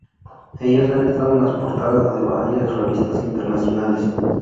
Ellas han estado en las portadas de varias revistas internacionales.